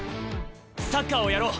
サッカーをやろう。